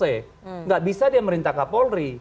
tidak bisa dia merintah kapolri